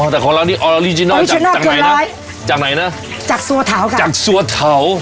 อ๋อแต่ของเรานี่ออริจินอลจากไหนนะจากไหนนะจากสวทาวกันจากสวทาว